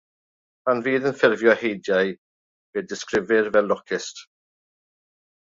Pan fydd yn ffurfio heidiau, fe'i disgrifir fel locust.